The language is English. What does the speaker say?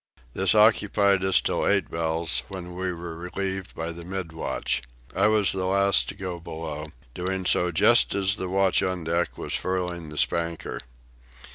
This occupied us till eight bells, when we were relieved by the mid watch. I was the last to go below, doing so just as the watch on deck was furling the spanker.